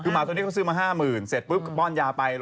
ถึงหมาตัวเนี่ยเขาซื้อมา๕๐๐๐๐เสดป้อนยาไป